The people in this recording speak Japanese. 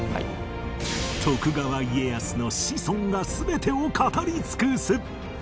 徳川家康の子孫が全てを語り尽くす！